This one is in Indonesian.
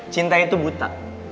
cinta itu buta